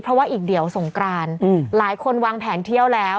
เพราะว่าอีกเดี๋ยวสงกรานหลายคนวางแผนเที่ยวแล้ว